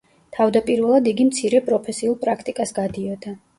თავდაპირველად იგი მცირე პროფესიულ პრაქტიკას გადიოდა.